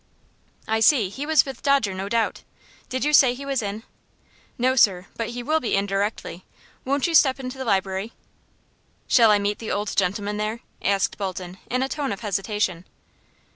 "I see; he was with Dodger, no doubt. Did you say he was in?" "No, sir; but he will be in directly. Won't you step into the library?" "Shall I meet the old gentleman there?" asked Bolton, in a tone of hesitation.